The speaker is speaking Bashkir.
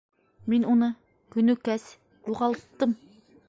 Мин уны, Көнөкәс, юғалттым.